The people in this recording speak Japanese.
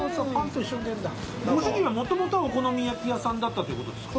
ご主人は元々はお好み焼き屋さんだったというコトですか？